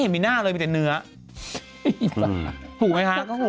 มาเจอกันใหม่นะฮะ